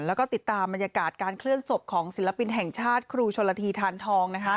แล้วก็ติดตามบรรยากาศการเคลื่อนศพของศิลปินแห่งชาติครูชนละทีทานทอง